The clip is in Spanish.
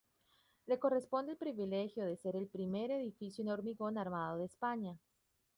Le corresponde el privilegio de ser el primer edificio en hormigón armado de España.